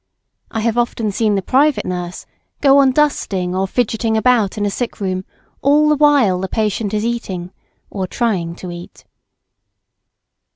I have often seen the private nurse go on dusting or fidgeting about in a sick room all the while the patient is eating, or trying to eat.